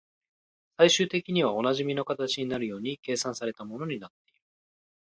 最終的にはおなじみの形になるように計算された物になっている